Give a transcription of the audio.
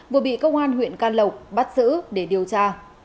vừa bị công an huyện can lộc bắt giữ để điều tra